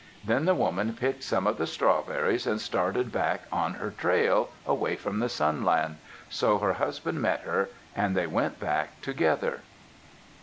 Then the woman picked some of the strawberries and started back on her trail, away from the Sunland. So her husband met her, and they went back together.